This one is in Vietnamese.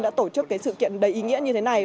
đã tổ chức cái sự kiện đầy ý nghĩa như thế này